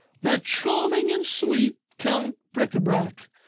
That charming and sweet Count Bricabrac!